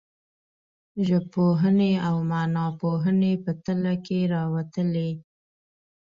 ژبپوهنې او معناپوهنې په تله کې راوتلي.